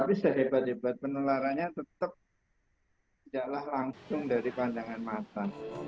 tapi sehebat sebat penularannya tetap jalan langsung dari pandangan mata